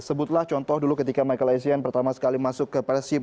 sebutlah contoh dulu ketika michael essien pertama sekali masuk ke persib